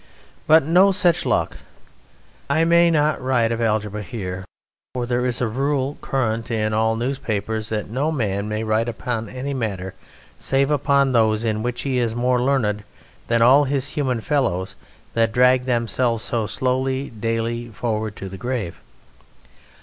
But no such luck! I may not write of algebra here; for there is a rule current in all newspapers that no man may write upon any matter save upon those in which he is more learned than all his human fellows that drag themselves so slowly daily forward to the grave.